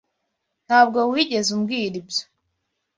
Ntabwo wigeze umbwira ibyo.